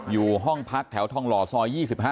อยู่ห้องพักแถวทองหล่อซอย๒๕